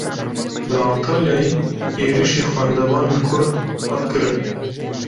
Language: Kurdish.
Li Antalyayê êrişî xwendevanên Kurd hat kirin.